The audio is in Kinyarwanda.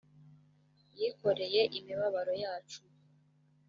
yikoreye imibabaro yacu